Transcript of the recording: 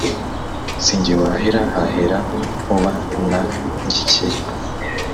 Si jye wahera hahera Nkuba na Gikeli.